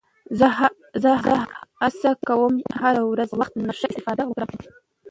زه هڅه کوم هره ورځ له وخت نه ښه استفاده وکړم